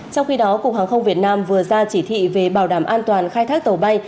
trong khi đó cục hàng không việt nam vừa ra chỉ thị về bảo đảm an toàn khai thác tàu bay